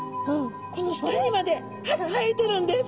この舌にまで歯が生えてるんです。